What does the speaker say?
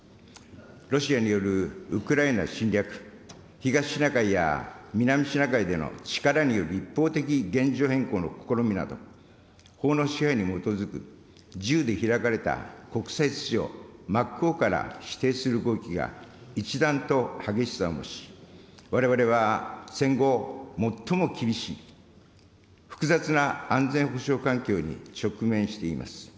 ロシアによるウクライナ侵略、東シナ海や南シナ海での力による一方的現状変更の試みなど、法の支配に基づく自由で開かれた国際秩序を真っ向から否定する動きが一段と激しさを増し、われわれは戦後最も厳しい複雑な安全保障環境に直面しています。